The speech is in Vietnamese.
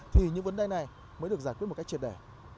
thì những vấn đề này mới được giải quyết một cách triệt đẻ